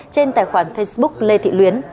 trên tài khoản facebook lê thị luyến